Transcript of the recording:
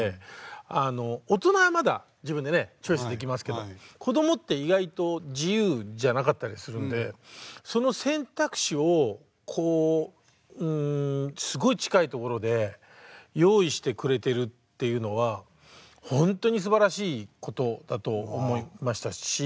あの大人はまだ自分でねチョイスできますけど子どもって意外と自由じゃなかったりするんでその選択肢をこうすごい近いところで用意してくれてるっていうのはほんとにすばらしいことだと思いましたし